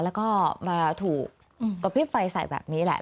แล้วก็มาถูกกระพริบไฟใส่แบบนี้แหละ